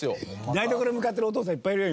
台所に向かってるお父さんいっぱいいるよ